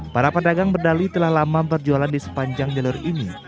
para pedagang berdali telah lama berjualan di sepanjang jalur ini